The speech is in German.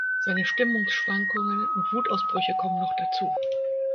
Seine Stimmungsschwankungen und Wutausbrüche kommen noch dazu.